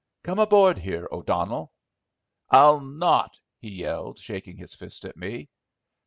"Come aboard here, O'Donnell." "I'll not!" he yelled, shaking his fist at me.